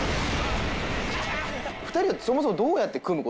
２人はそもそもどうやって組むことになるんですか？